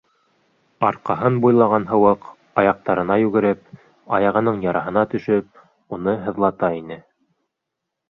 Арҡаһын буйлаған һыуыҡ, аяҡтарына йүгереп, аяғының яраһына төшөп, уны һыҙлата ине.